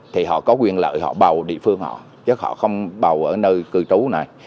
thì họ có quyền lợi họ bầu địa phương họ chứ họ không bầu ở nơi cư trú này